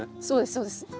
そうですそうです。